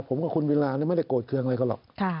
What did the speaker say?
ผมกับคุณวิราไม่ได้โกรธเครื่องอะไรก็หรอก